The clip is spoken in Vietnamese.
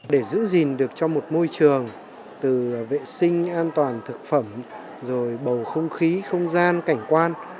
để giữ gìn được cho một môi trường từ vệ sinh an toàn thực phẩm rồi bầu không khí không gian cảnh quan